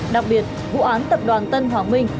đặc biệt vụ án tập đoàn tân hoàng minh